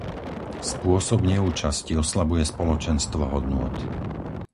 Spôsob neúčasti oslabuje spoločenstvo hodnôt.